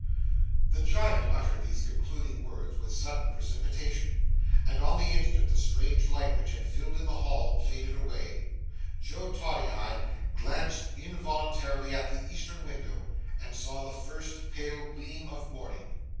The Giant uttered these concluding words with sudden precipitation; and on the instant the strange light which had filled the hall faded away. Joe Toddyhigh glanced involuntarily at the eastern window, and saw the first pale gleam of morning.